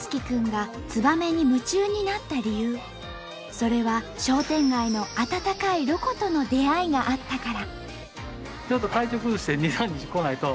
それは商店街の温かいロコとの出会いがあったから。